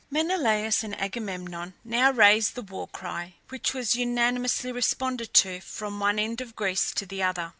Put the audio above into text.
Menelaus and Agamemnon now raised the war cry, which was unanimously responded to from one end of Greece to the other.